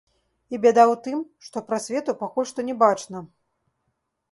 І бяда ў тым, што прасвету пакуль што не бачна.